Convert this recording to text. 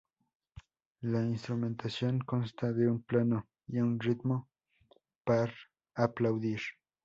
La instrumentación consta de un piano y un "ritmo par aplaudir".